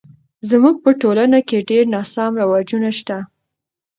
زموږ په ټولنه کې ډیر ناسم رواجونه شته